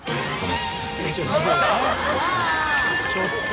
ちょっと。